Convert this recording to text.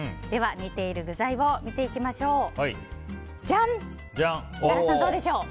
では、煮ている具材を見ていきましょう。